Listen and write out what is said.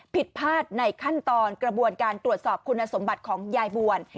ผิดพลาดในขั้นตอนกระบวนการตรวจสอบคุณสมบัติของยายบวล